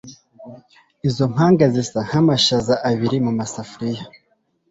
Izo mpanga zisa nkamashaza abiri mumasafuriya